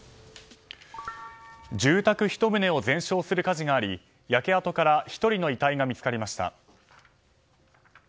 住宅１棟を全焼する火事があり焼け跡から１人の遺体が見つかりました。